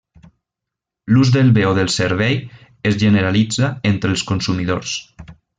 L'ús del bé o del servei es generalitza entre els consumidors.